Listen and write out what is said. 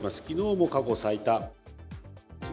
きのうも過去最多。